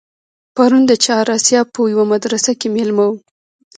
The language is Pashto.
پرون د چهار آسیاب په یوه مدرسه کې مېلمه وم.